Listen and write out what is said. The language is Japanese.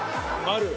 ある。